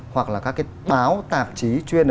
hoặc là các báo tạp chí chuyên